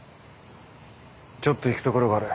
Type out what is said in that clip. ちょっと行く所がある。